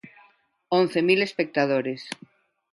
Once mil espectadores.